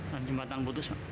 dan jembatan putus